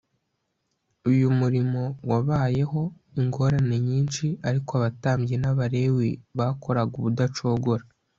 uyu murimo wabayemo ingorane nyinshi; ariko abatambyi n'abalewi bakoraga ubudacogora